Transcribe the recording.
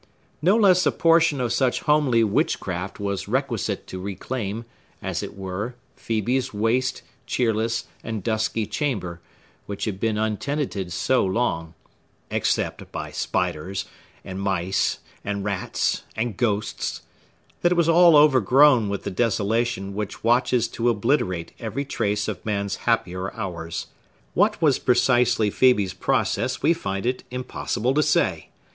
No less a portion of such homely witchcraft was requisite to reclaim, as it were, Phœbe's waste, cheerless, and dusky chamber, which had been untenanted so long—except by spiders, and mice, and rats, and ghosts—that it was all overgrown with the desolation which watches to obliterate every trace of man's happier hours. What was precisely Phœbe's process we find it impossible to say.